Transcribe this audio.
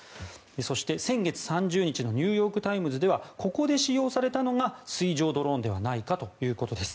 そして、先月３０日のニューヨーク・タイムズではここで使用されたのが水上ドローンではないかということです。